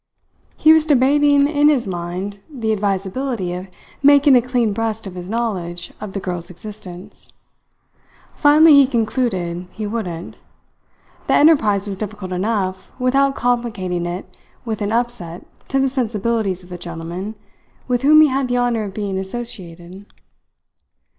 He was debating in his mind the advisability of making a clean breast of his knowledge of the girl's existence. Finally he concluded he wouldn't. The enterprise was difficult enough without complicating it with an upset to the sensibilities of the gentleman with whom he had the honour of being associated.